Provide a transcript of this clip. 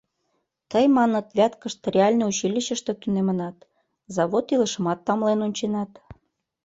Тый, маныт, Вяткыште реальный училищыште тунемынат, завод илышымат тамлен онченат.